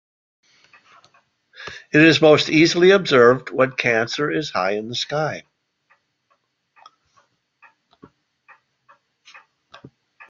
It is most easily observed when Cancer is high in the sky.